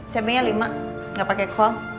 cabainya lima nggak pakai kol